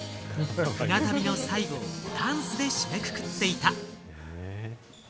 船旅の最後をダンスで締めくくっていた。